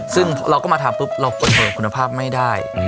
ซึ่งเราก็มาทำปุ๊บเรากดเบอร์คุณภาพไม่ได้